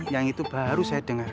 yang itu baru saya dengar